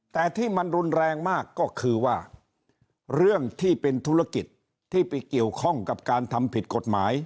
แต่ที่มันรุนแรงมากก็คือว่าเรื่องที่เป็นธุรกิจที่ไปเกี่ยวข้องกับการทำผิดกฎหมาย